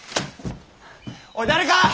おい誰か！